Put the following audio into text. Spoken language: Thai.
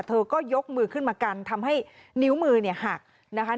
เธอก็ยกมือขึ้นมากันทำให้นิ้วมือเนี่ยหักนะคะ